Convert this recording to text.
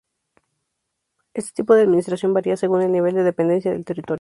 Este tipo de administración varía según el nivel de dependencia del territorio.